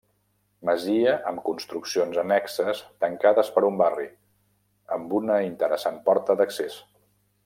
Masia amb construccions annexes tancades per un barri, amb una interessant porta d'accés.